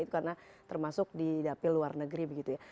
karena termasuk di dapil luar negeri